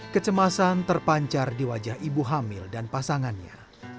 kecemasan terpancar di wajah ibu hamil dan pasangannya